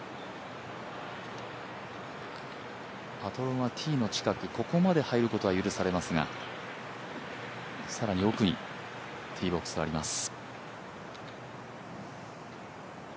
パトロンはティーの近くここまで入ることが許されますが更に奥にティーボックスがあります。